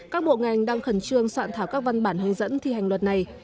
các bộ ngành đang khẩn trương soạn thảo các văn bản hướng dẫn thi hành luật này